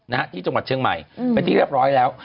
ที่จังหวัดเชียงใหม่เป็นที่เรียบร้อยแล้ว